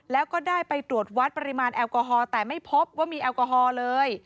แล้วก็ได้ไปตรวจวัดปริมาณแอลกอฮอล์แต่ไม่พบว่ามีแอลกอฮอล์เลย